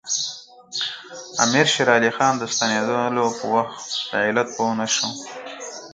امیر شېر علي خان د ستنېدلو په علت پوه نه شو.